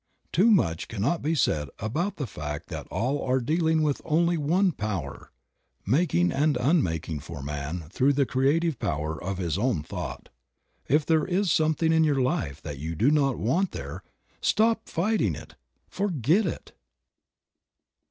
Too much cannot be said about the fact that all are dealing with only one power, making and unmaking for man through the creative power of his own thought. If there is something in your life that you do not want there, stop fighting it — forget it